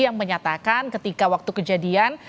yang menyatakan ketika waktu kejadian